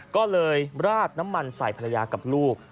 ก็เลยราดน้ำมันใส่ภรรยากับลูก